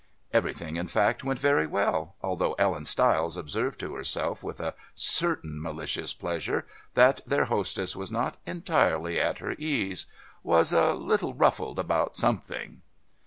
Everything, in fact, went very well, although Ellen Stiles observed to herself with a certain malicious pleasure that their hostess was not entirely at her ease, was "a little ruffled, about something."